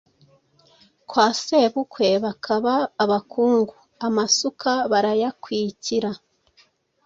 Kwa sebukwe bakaba abakungu, amasuka barayakwikira,